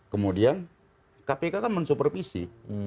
kemudian kpk kan mensupervisi